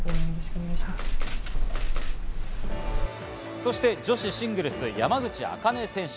そして女子シングルス山口茜選手。